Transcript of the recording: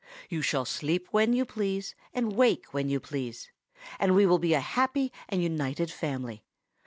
You shall sleep when you please, and wake when you please; and we will be a happy and united family.